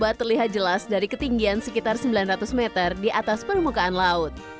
gua terlihat jelas dari ketinggian sekitar sembilan ratus meter di atas permukaan laut